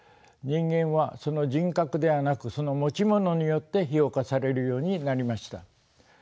人間はその人格ではなくその持ち物によって評価されるようになりました。